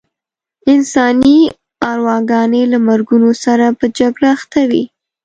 انساني ارواګانې له مرګونو سره په جګړه اخته وې.